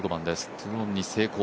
２オンに成功。